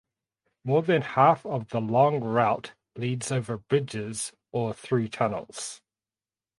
More than half of the long route leads over bridges or through tunnels.